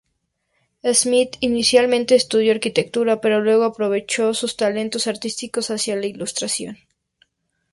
Smith inicialmente estudió arquitectura, pero luego aprovechó sus talentos artísticos hacia la ilustración.